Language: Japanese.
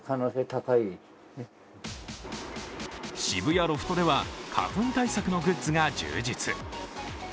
渋谷ロフトでは花粉対策のグッズが充実。